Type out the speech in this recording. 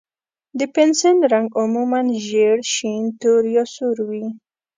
د پنسل رنګ عموماً ژېړ، شین، تور، یا سور وي.